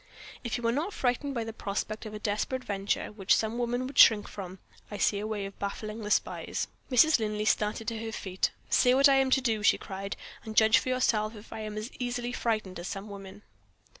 If you are not frightened by the prospect of a desperate venture which some women would shrink from, I believe I see a way of baffling the spies." Mrs. Linley started to her feet. "Say what I am to do," she cried, "and judge for yourself if I am as easily frightened as some women."